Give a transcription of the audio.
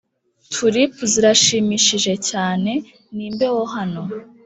tulip zirashimishije cyane, ni imbeho hano.